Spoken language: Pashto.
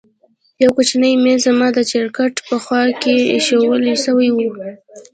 يو کوچنى ميز زما د چپرکټ په خوا کښې ايښوول سوى و.